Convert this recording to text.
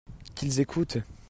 Qu'ils écoutent !